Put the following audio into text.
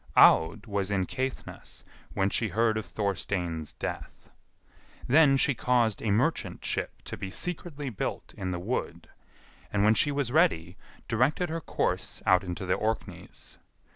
Aud was in Caithness when she heard of Thorstein's death. Then she caused a merchant ship to be secretly built in the wood, and when she was ready, directed her course out into the Orkneys.